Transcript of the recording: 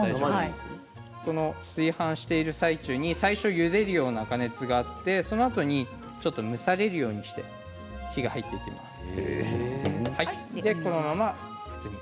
炊飯している状態で最初ゆでるような加熱があってその次は蒸されるようにして火が入っていきます。